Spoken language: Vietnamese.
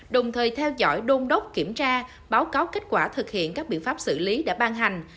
đồng thời theo dõi đôn đốc kiểm tra báo cáo kết quả thực hiện các biện pháp xử lý đã ban hành